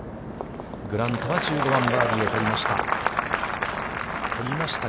グラントは１５番、バーディーを取りました。